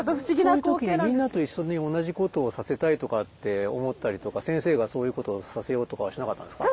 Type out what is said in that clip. そういう時にみんなと一緒に同じことをさせたいとかって思ったりとか先生がそういうことをさせようとかはしなかったんですか？